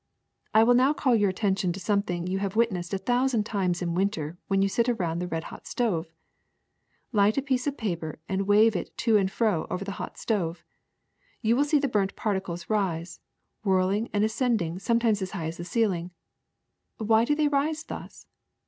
I will now call your attention to something you have witnessed a thousand times in winter when you sit around the red hot stove. Light a piece of paper and wave it to and fro over the hot stove. You will see the burnt particles rise, whirling and ascending sometimes as high as the ceiling. Why do they rise thus?